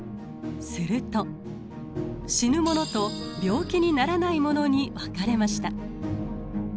すると死ぬものと病気にならないものに分かれました。